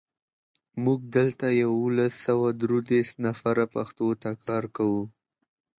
موږ دلته یولس سوه درودېرش نفره پښتو ته کار کوو.